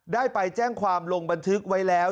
ได้ไปแจ้งความลงบันทึกไว้แล้ว